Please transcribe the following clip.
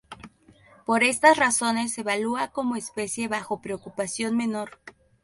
Por estas razones, se evalúa como especie bajo preocupación menor.